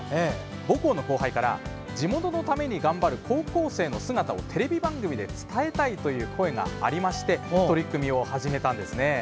母校の後輩から地元のために頑張る高校生の姿をテレビ番組で伝えたいという声がありまして取り組みを始めたんですね。